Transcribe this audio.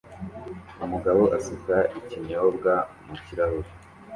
Umugabo asuka ikinyobwa mu kirahure